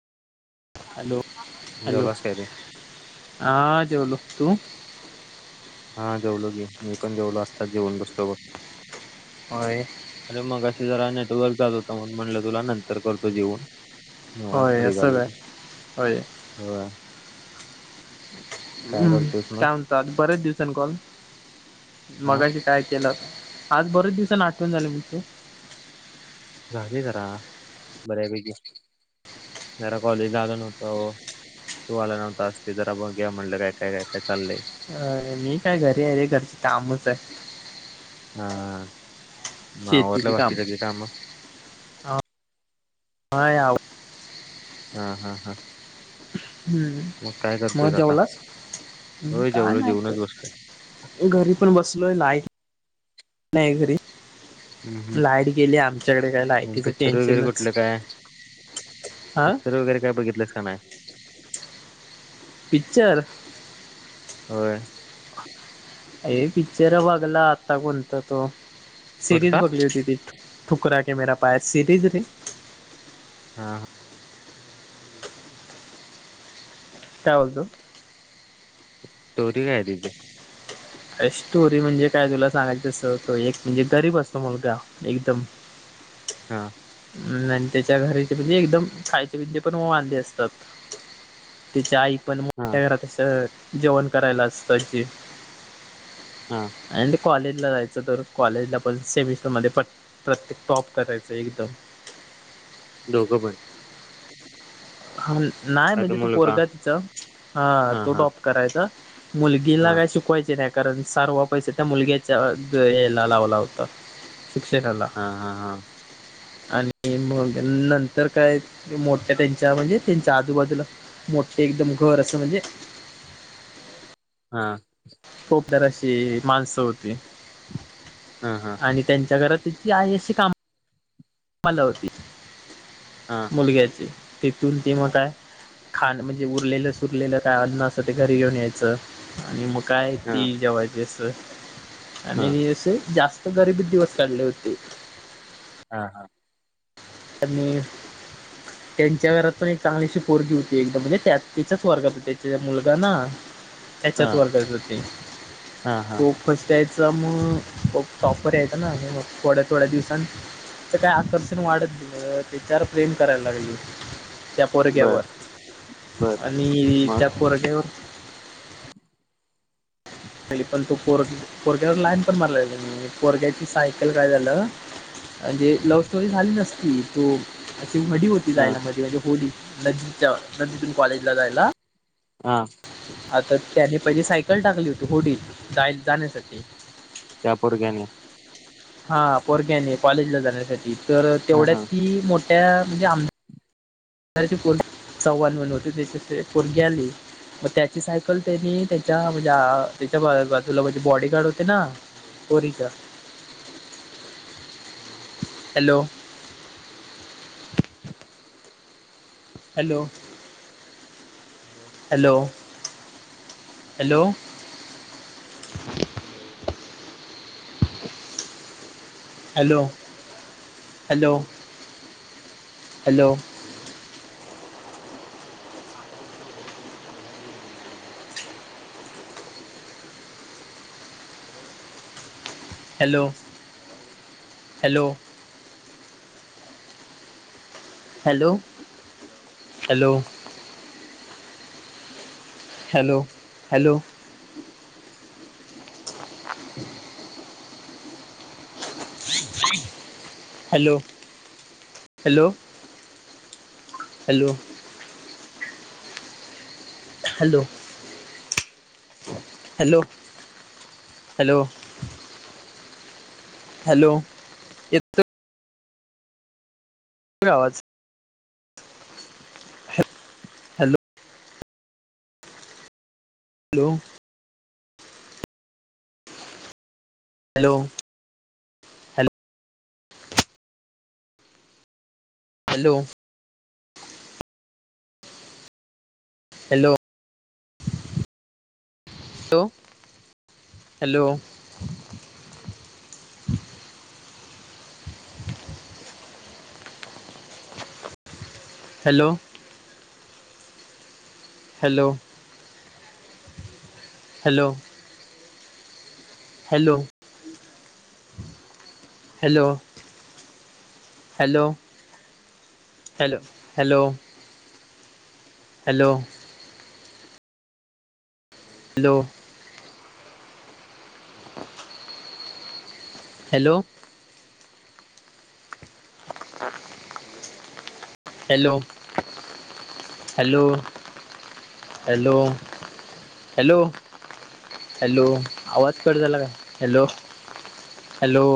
Hello. Hello [unintelligible] हा जेवलो तू. हा जेवल गे मी पण जेवलो आत्ता जेऊन बसतो बघ. होय. अरे मग असे जरा नेटवर्क जात होत मण म्हणलं तुला नंतर करतो जेवुन. म होय खरी असं गल हो काय होय हो. हम्म मग? का म्हत आ बरेच दिवसान कल हा मगाशी काय केलं आज बरेच दिवसा आठवण झाले म्ह झाली तर बऱ्यापैकी जरा कॉलेज आल नव्हतो तुवाला नव ता असतरा बघ घ मणल कायकाय कायकाय चचालले अ मी काय घरी आहे रे घरचे कामच आहे हा ह मा शेतीची रलग काम वाकत गीता अम मा आव हा हम् हम हम्म मगत जाऊलास. होय काय जेवलो नाही जेवूनच बसलोय. कर घरी पण बसलोय लायक नाही घरी. हम्म लाईट गेली आमच्याकडे काय हम्म लायटीचं पिक्चर वगैरे टेन्शनच कुठलं काय हा पिक्चर वगैरे काय बघितलंस का नाही. पिक्चर. होय. हे पिच्चर बघला आता कोणत तो सिरीज कुठला? बघली सिरीज. ठुका के मेरा पायास सिरीज रे [unintelligible] काय बोलतो. तोरी काय दी. अ स्टोरी म्हणजे काय तुला सांगायचं अस त एक म्हणजे गरीब असतो मुलगा एकदम. [unintelligible] हा. आणि त्याच्या घराचे म्हणजे एकदम खायचे पिंजे पण वांधे असतात. तिच्या आई पण हा. मोठ्या घराातच जेवण करायलाच पाहिजे. हा आणि ते कॉलेज जायचं तर कॉलेजला पण सेमिस्टर मध्ये प्रत्येक टॉप करायच एकदम दोघं पण. हा नाही आता म्हणजे तो मुलगा पोरगा तिचा हा तो डॉप्ट करायचा. हा मुलगीला काय शिकवायचे नाय कारण सारव पैसा त्या मुलग्याच्या याला लावला होता. शिक्षणाला हा हा हा. आणि मग नंतर काय मोठ्या त्यांच्या म्हणजे त्यांच्या आजूबाजूला मोठे एकदम घर असं म्हणजे हा. खोपदर अशी माणसं होती हा हा आणि त्यांच्या घरात तिची आहे अशी कामाला होती. हा मुलग्याची ती चुलती मोठाय. खाण म्हणजे उरलेलं सुरलेलं काय अन्न असं ते घरी येऊन यायचं आणि. काय हा ती जेवा्हायची अस. आणि हा हे असे जास्त गरिबीत दिवस काढले होते. हा हा. आणि. त्यांच्या घरात पण एक चांगलीशी पोरगी होती एकदा म्हणजे त्या त्याच्याच वर्गात त्याचा मुलगा ना. हा त्याच्यात वर्गात होती हा हा तो फस्ट टाइम. च मग खूप टॉपर यायचां ना हे मग थोड्या थोड्या दिवसांनी. तर काय आकर्षण वाढत त्याच्यावर प्रेम करायला लागले. त्या बर पोरग्यावर बर आणि मग त्या पोरग्यावर. आणि पण तो पोर पोरग्यावर लाईन पण मारला पोरग्याची सायकल काय झालं. जे लव्ह स्टोरी झाली नसती तो. नदि होती हा जायला मध्ये म्हणजे होळी नदीच्या नदीतून कॉलेजला जायला. हा. आता त्याने पहिली सायकल टाकली होती होडी जाय जाण्यासाठी त्या पोरग्याने हा पोरग्याने कॉलेजला जाण्यासाठी तर हा तेवढ्या हा ती मोठ्या म्हणजे आम दाराची पोरगी चव्हण म्हणून होती त्याच्या पोरगी आली. मग त्याची सायकल त्यांनी त्याच्या म्हणजे अ त्याच्या बाजूला म्हणजे बॉडी गार्ड होते ना पोरीचा hello. Hello. Hello hello. [inaudible] Hello hello. Hello. Hello hello. Hello hello. Hello hello hello hello. Hello. Hello. Hello hello hello येत. आवाज hello. Hello. Hello hello. Hello. Hello. तो हॅलो. हम्. Hello hello. Hello. Hello. Hello. Hello hello hello. Hello. Hello! Hello hello! Hello hello hello आवाज क झाला का hello hello